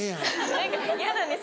何か嫌なんです